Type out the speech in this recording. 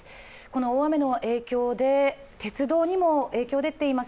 大雨の影響で鉄道にも影響が出ています。